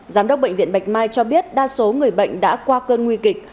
giám đốc bệnh viện bạch mai cho biết đa số người bệnh đã qua cơn nguy kịch